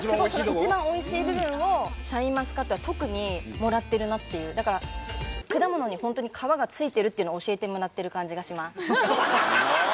一番おいしい部分をシャインマスカットは特にもらってるなっていうだから果物にホントに皮がついてるっていうのを教えてもらってる感じがします